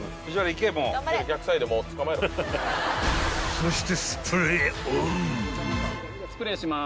［そして］